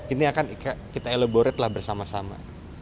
ini akan kita elaborat bersama sama